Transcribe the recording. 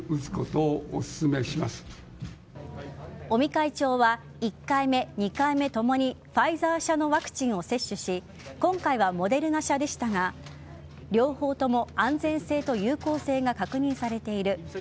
尾身会長は１回目、２回目ともにファイザー社のワクチンを接種し今回はモデルナ社でしたが両方とも安全性と有効性が確認されている。